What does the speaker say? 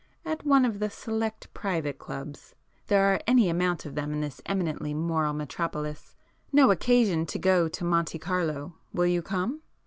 "At one of the select private clubs. There are any amount of them in this eminently moral metropolis—no occasion to go to Monte Carlo! Will you come?"